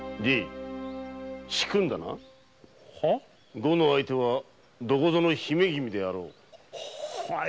碁の相手はどこぞの姫君であろう。